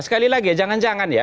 sekali lagi jangan jangan ya